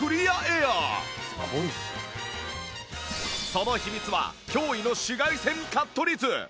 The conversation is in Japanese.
その秘密は驚異の紫外線カット率